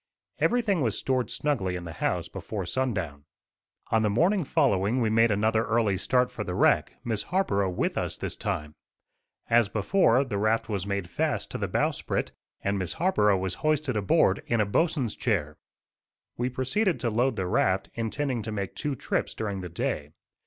Everything was stored snugly in the house before sundown. On the morning following we made another early start for the wreck, Miss Harborough with us this time. As before, the raft was made fast to the bow sprit, and Miss Harborough was hoisted aboard in a bo'sn's chair. We proceeded to load the raft, intending to make two trips during the day.